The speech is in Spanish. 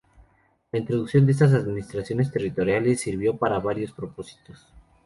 La introducción de estas administraciones territoriales sirvió para varios propósitos.